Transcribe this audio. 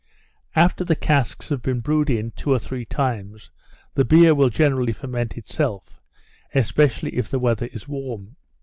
After the casks have been brewed in two or three times the beer will generally ferment itself, especially if the weather is warm.